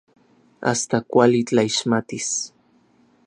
Asta kuali tlaixmatis.